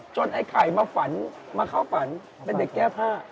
ไอ้ไข่มาฝันมาเข้าฝันเป็นเด็กแก้ผ้า